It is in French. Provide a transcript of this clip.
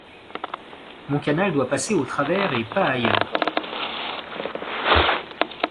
Mon canal doit passer au travers et pas ailleurs.